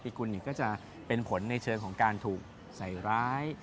กุลก็จะเป็นผลในเชิงของการถูกใส่ร้าย